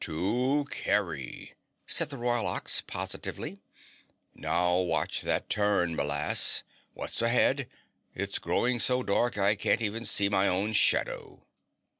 "To Kerry," said the Royal Ox positively. "Now watch that turn, m'lass. What's ahead? It's growing so dark I can't even see my own shadow!"